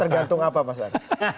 tergantung apa mas bas